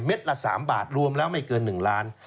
ละ๓บาทรวมแล้วไม่เกิน๑ล้าน